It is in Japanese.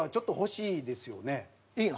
いいの？